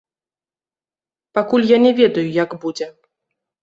Пакуль я не ведаю, як будзе.